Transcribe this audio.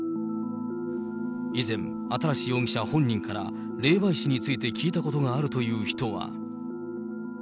以前、新容疑者本人から霊媒師について聞いたことがあるという人は。